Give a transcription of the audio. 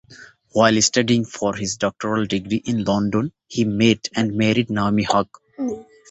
While studying for his doctoral degree in London he met and married Naimi Haque.